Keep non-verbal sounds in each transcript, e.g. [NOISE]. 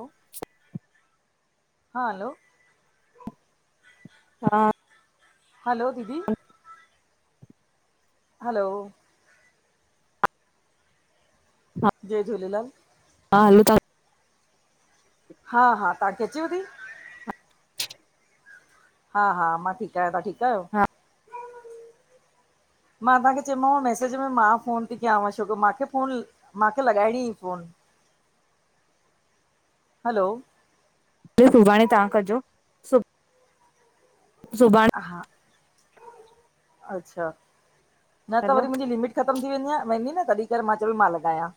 हलो हा हलो हा हलो दीदी हलो हा जय झूलेलाल हा हलो तहां हा हा तांखे अचेव ती हा हा मां ठीक आहियां तहां ठीक आहियो मां तांखे च्योमांव मैसेज में मां फोन ती कयांव छोकी माखे़ फोन माखे लॻाएंणीं ही फोन [INAUDIBLE] हलो पो सुभाणे तहां कजोे सुभ सुभाणे हा अच्छा, न त हलो वरी मुंजी लिमिट ख़तमु थी वेंदीया, वेंदी न तॾीहिं करे मां चवां पई मां लॻायां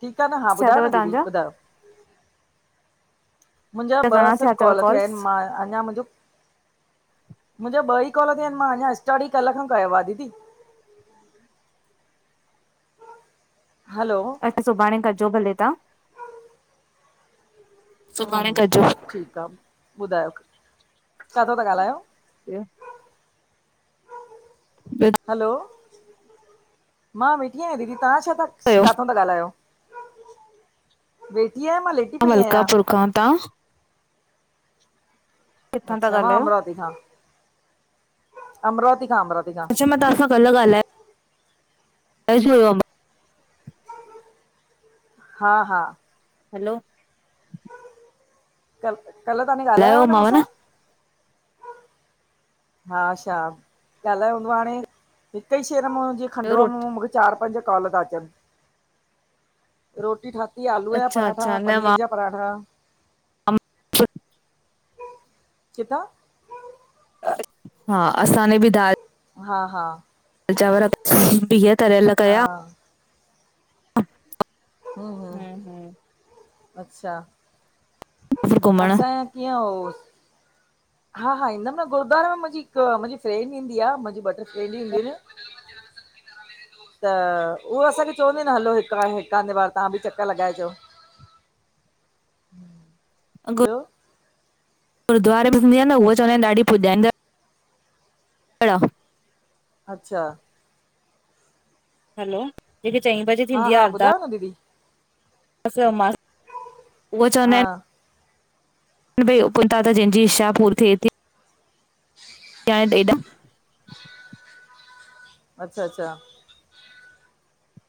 ठीक आ न हा छा ॿुधायो अथव न दीदी तव्हांजा ॿुधायो मुंजा घणा ॿ सिर्फ अथव कॉल थिया कॉल्स हिनि मां अंञां मुंजो मुंजा ॿ ई कॉल थिया हिनि मां अंञां स्टार्ट ही कल्ह खां कयो आ दीदी हलो अच्छा सुभाणे कजो भले तहां। हूं सुभाणे हूं कजो ठीकु आ, ॿुधायो काथां ता ॻाल्हायो? ॿियो? ॿियो दा हलो मां वेठी आहियां दीदी, तहां छा था, कयो काथां ता ॻाल्हायो? वेठी आहियां मां लेट मलकापुर खां, तहा? किथां था अच्छा, मां ॻाल्हायो अमरावती खां अमरावती खां अमरावती खां। अच्छा मां तहां सां कल ॻाल्हाय त जो [UNINTELLIGIBLE] हा हा। हलो कल् कल्ह तहांने ॻाल्हायो आ न मुसां? हा, छा ॻाल्हायो हूंदो हाणें, हिक ई शहर मुं जीअं ॿियो खंडुवा रोटी मुं मुखे चार-पांज काल ता अचनि, रोटी ठाती आ आलूअ जा अच्छा पराठा अच्छा न पनीर जा पराठा। ब [INAUDIBLE] किथां? हा असाने भी दाल हा हा चांवर बिीह तरियल हा कया। ह [INAUDIBLE] हूं -हु- अच्छा। घुमण असांजे कीअं आ हो होे, पोयां आवाज़। हा, हा ईंदमि न गुरुद्वारे में मुंहिंजी हिकु मुंहिंजी फ्रेंड ईंदी आहे। मुंहिंजी ॿ टे फ्रेंड ईंदियीूं आहिन। पोयां आवाज़ अचे तोह - - त उहो असांखे चवंदी न हलो हिकु ह हिकु हंधि बार तव्हां बि चकर लॻाइजो। [INAUDIBLE] हम अज् गुरुद्वारे में थींदी आहे न उहा चवंदा आहिन ॾाढी पुॼाईंदा अला। अच्छा हलो। जेकी चईं बजे थींदी आहे अरदास्। ओ दीदी [UNINTELLIGIBLE] उहो चवंदा हा आहिन। भई उपनता जंहिंज जी इच्छा पूरी थिए थी। [INAUDIBLE] अच्छा अच्छा।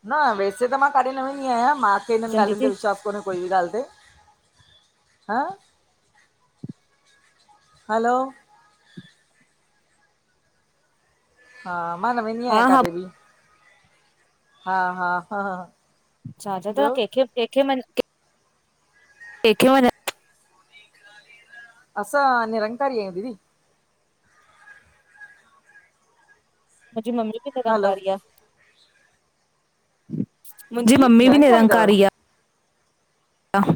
न वैसे त मां कॾे न वेंदी आहियां। मांखे हिनन चंदी ॻाल्हियुन ते थी विश्वास। कोन कोई बिॻाल ते हं हलो। हा, मां न वेदी हा आहियां हा काढे भी। हा हा हा हा--किलण। अशा नत कं कंहिंखे कंहिंखे व- के--कंहिंखे वञ असां निरंकारी आहेयू दीदी। अज्, मम्मी बि हलो निरंकारी आहे। मुंहिंजी जी मम्मी बि अथव निरंकारी आहे। आ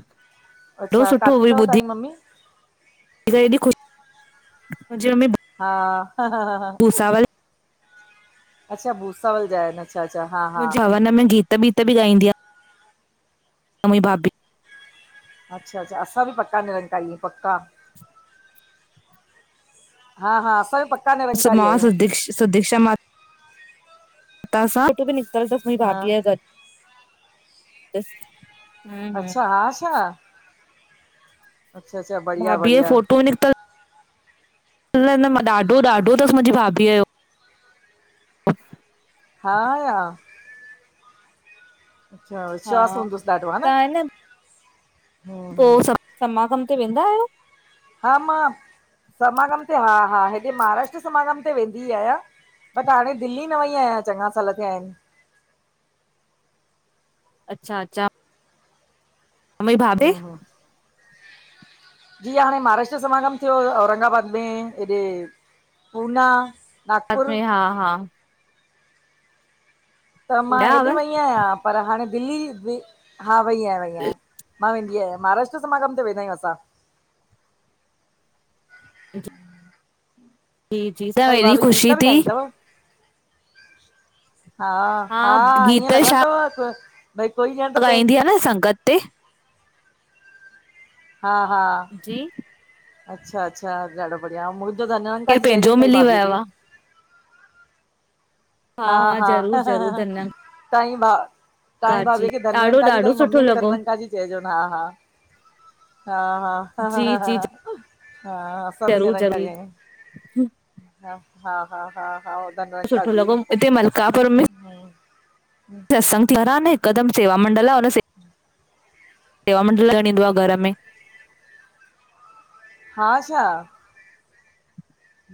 ॾाढो अच्छा सुठो काथे हुई अथव ॿुधी तव्हान्जी मम्मी? एॾी ख़ुशी, मुंहिंजे मम्मी हा ह ह ह ह किलण। बूसावल असां भूसावल जा आहियूं न अच्छा अच्छा हा। हा मुंहिंजे हवन में गीत वीत बि ॻाईंदी आहे मुहिंजी भाभी। अच्छा अच्छा असां बि पक्का निरंकाई आहियूं पक्का। हा हा असां भी पक्का। सु निरंकारी मां आहियूं सुष सुदीक [UNINTELLIGIBLE] पुट बि निकतल अथस मुंहिंजी हा भाभीअ आहे ॻॾ। अच्छा हा छा। अच्छा अच्छा बढ़िया बढ़या। टनिकत - - न न मां ॾाढो ॾाढो अथस मुंहिंजी भाभीअ जो। बठ - - हा - - अच्छा हा विश्वास हुदुंस ॾाढो हा न। हम्म पो हम्म स समागम ते वेंदा आयो? हा मां समागम ते हा हा हेॾे महाराष्ट्र समागम ते वेंदी आयां। बट हाणे दिल्ली न वई आयां चङा साल थिया आहिन। अच्छा अच्छा। मुजी भाभी, हम्म हम्म जीअं हाणे महाराष्ट्र समागम थियो हुयो औरंगाबाद में हेॾे पूना। नागपुर सात में हा हा त मां विया हेॾे हुआ वेई आहियां पर हाणे दिल्ली बि हा वई आयां वई आयां। मां वेंदी आहिया महाराष्ट्र समागम ते वेंदा आयूं असां। जी, जी जी क भई हेॾी भाभी ख़ुशी गीता बि थी। ॻाईंदा अथव हा हा ईअं लॻंदो आ क भई कोई ॼण त पंहिंज लॻाईंदी आ न संगत ते हा हा जी अच्छा अच्छा ॾाढो बढ़िया मु त धन केर निरंकार जी पंहिंजो चईंजोन बई मिली भाभीअ वियो खे। आहे हा हा ज़रूर ज़रूर धन्यकार तव्हांजी भा तहांजी जी भाभी खे ॾाढो धननिरंकार जी ॾाढो तहांजी सुठो ममीअ खे लॻो धननिरंकार जी। चईंजोन हा हा हा जी जी हा हा असां बि ज़रूर निरंकारी ज़रूर आयूं हा हा हा हा। उधर निरंकार सुठो जी लॻो हिते मलकापुर में [UNINTELLIGIBLE] सत्संग घर आ न हिकुदमि सेवा मंडल आ हुन से सेवा मंडल ॾेयणु ईंदो आ घर में। हा आशा।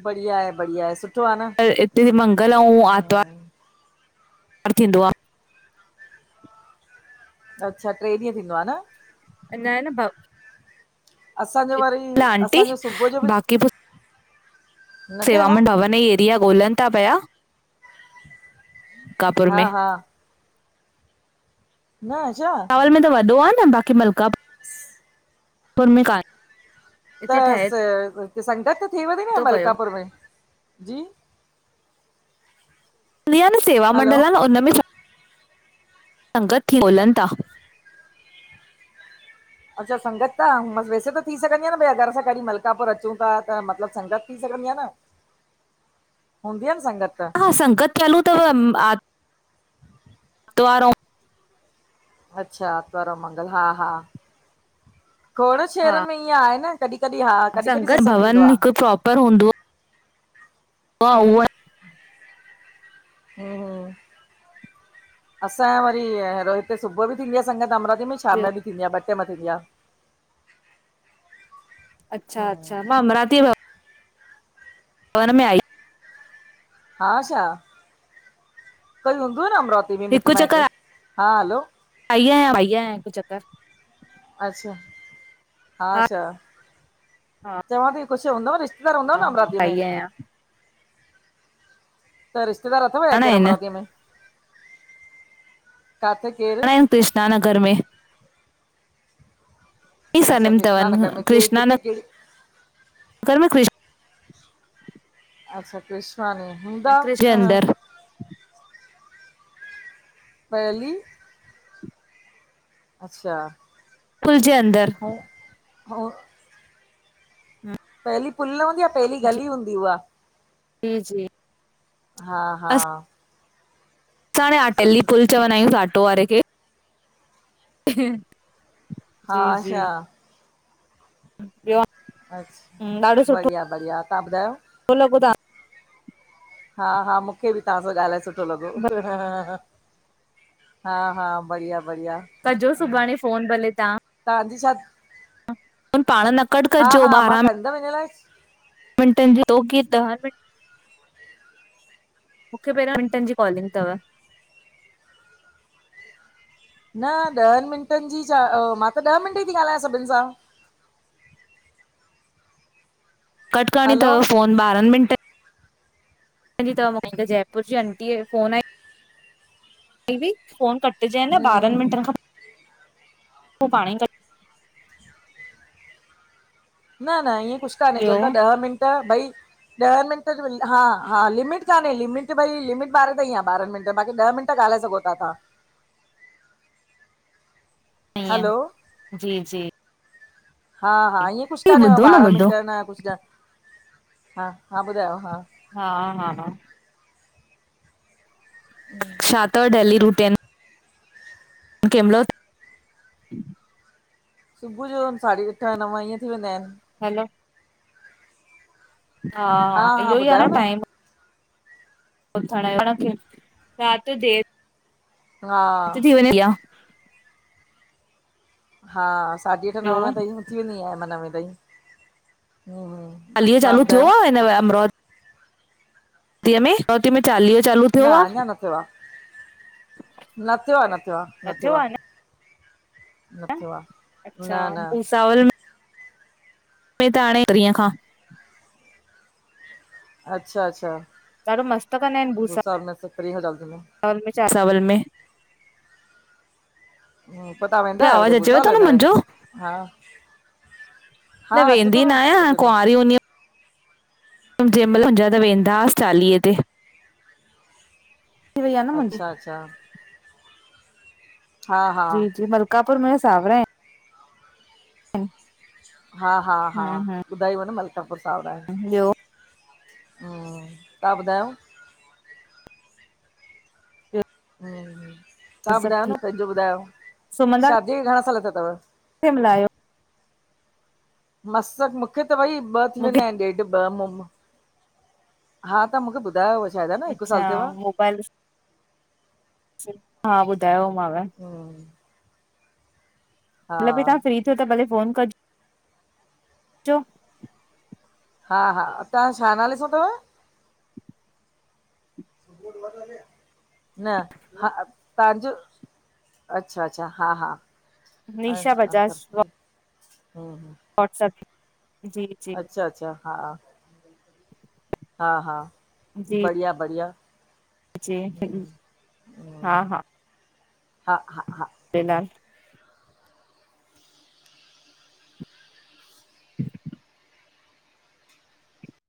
बढ़िया आए बढ़िया आए सुठो आहे न। पर हिते मंगल आऊं हम्म आरतवारु थींदो आ। अच्छा ट्रे ॾींह थींदो आ न। अञा आए न भ असांजो वरी आंटी असांजो सुबुह जो बि न ठहियल आ? सेवामंडल भवन जी एरिया ॻोल्हनि ता पिया मनकापुर हा में। हा ना आहे छा? पुर में त वॾो आहे न बाक़ी मलका पुर में कान त हिते ठहे स संगत त थिएव ती न थो पियो मलकापुर में, जी। ईंदी आ न, सेवा हलो मंडल आ न हुन में छा संगत ती त ॻोल्हनि था। अच्छा संगत त वैसे त थी सघंदी आ न भई अॻरि असां कॾीं मलकापुर अचूं था त मतिलबु संगत थी सघंदी आ न। [INAUDIBLE] हूंदी आ न संगत त। हा संगत चालू तव आर्तवार अच्छा आरतवार मंगल हा हा खोड़ हा शहरनि में ईअं आए न। कॾीं कॾीं हा कॾीं कॾीं सत्संग थींदो आ। प्रापर हूंदो। हा उह हूं हूं, असांजो वरी अरो हिते सुबुह बि थींदी आ संगत अमरावती में शाम ॿियो में बि थींदी आ ॿ टेम में थींदी आ। अच्छा अच्छा, मां अमरावती पर में आई। हा छा? कोई हूंदव न अमरावती में मिटु हिकु माइटु चक्कर हा हलो आई आहियां आई आहियां, हिकु चक्कर। अच्छा हा छा? हा चवां थी कुझु हूंदव रिश्तो घर हूंंदव हा न हा अमरावती में? [UNINTELLIGIBLE] त रिश्तेदार अथव छा हाणे केरु आहिनि अमरातीअ में काथे केर? हाणे कृष्णा नगर में। ई अच्छा सरनेम कृष्णा तवन नगर में के कृष्णान किथे कहिड़ी घर में ख़ुशि अच्छा कृष्णवानी हूंदा कृष जे हं। अंदर पली [UNINTELLIGIBLE] अच्छा पुल जे अंदिर। ऐं ऐं हा [INAUDIBLE] पहली पुल न हूंदीआ, पहली गली हूंदी उहा। जी जी [UNINTELLIGIBLE] हा हा असां हाणे अटेली सुठो पुल चवंदा आहियूंस आटो वारे खे। हम्म हा छा? ॿियो? अच्छा ॾाढो सुठो बढ़िया बढ़िया, तव्हां ॿुधायो? [UNINTELLIGIBLE] हा हा मूंखे बि तव्हां सां ॻाल्हाए सुठो लॻो। तव्हां हा हा बढ़िया बढ़िया। कजो सुभाणे फोन भले तव्हां। तव्हांजी छा फोन पाण न कट हा कजो हा मां कंदमि इनये लाइ। मिटनि जी [UNINTELLIGIBLE] मूंखे पहिरं मिंटनि जी कॉलिंग तव। न ॾहनि मिंटनि जी छा? मां त ॾह मिंट ती ॻाल्हायां सभिनि सां। कट करणी हलो तव फोन, ॿारहनि मिनंट जी तव मूंखे जयपुर जी आंटीअ जी फोन आई, दीदी फोन कट चेन न हम्म ॿारहनि हम्म मिंटनि खां पो पाणई कट न न ईअं कुझु कट कान्हे ॿियो चवनि ता ॾह मिंट भई ॾह मिनंट में हा हा लिमिट कान्हे, लिमिट भई लिमिट ॿारहें ताईं आ, ॿारह मिंट बाक़ी ॾह मिंट ॻालाए सघो ता त्वां। ईयंं हलो जी जी हा हा ईअं कुझु कान्हेव ॿुधो न ॿारहं ॿुधो मिंट न कुझु हा हा ॿुधायो हा। हा हा हा अच्छा तव डेली रूट कहिंमल उथ सुबुह जो साढी अठ नव ईअं थी वेंदा आहिनि। हलो। हा हा इहो ई आहे न टाइम। उथण, राति जो देरि हा ती थी वञे। हा साढी अठ नवें ताईं उथी वेंदी आहियां मां नवें ताईं। चालिहो तव्हां चालू थियो ॿुधायो आ हिन बार अमरो अमरावती में चालीयो चालू न थियो आ। अञा न थियो आ, न थियो आ, न थियो आ। अच्छा, भूसावल में। त हाणे परींअ खां। अच्छा, अच्छा, ॾाढो मस्तु कंदा आहिनि भुसावल में त फ्री [UNINTELLIGIBLE] हूं पो ता वेंदा आवाज़ आहियो अचेव थो भूसावल न? मुंहिंजो न हा अचे थो वेंदी न आहियां अचे थो। कुंआारी हूंदी जंहिं महिल मुंहिंजा त वेंदा हुआस चालीहे ते। थी वई आहे न मुंहिंजी अच्छा अच्छा। हा हा जी जी मलकापुर में सावरा आहिन। हूं। हा हा हा ॿुधायव न मलकापुर सावरा आहे। हम्म ॿियो हूं, तां ॿुधायो। [INAUDIBLE] तव्हां सभु ॿुधायो न ठीकु पंहिंजो ॿुधायो शादीअ खे घणा साल थिया थव? खे मिलायो मस, मुखे त भई ॿ थी मूंखे वेंदा आहिनि ॾेढ ॿ मुम हा त मुखे ॿुधायो अॼ। अच्छा मोबाइल हा ॿुधायोमांव। हूं। मतलब बि तव्हां फ्री थियो त भले फोन कजो। हा हा तव्हां छा नाले सां थव? [UNINTELLIGIBLE] न हा तव्हांजो अच्छा अच्छा हा हा। निशा बजाज। हूं। वाट्सएप। अच्छा अच्छा हा। हा हा। जी। बढ़िया बढ़िया हूं जी हूं। हा हा हा हा। ॾींदा अन